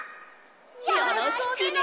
よろしくね！